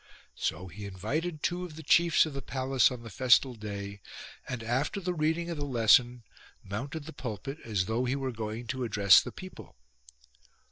So he invited two of the chiefs of the palace on the festal day, and after the reading of the lesson mounted the pulpit as though he were going to address the people.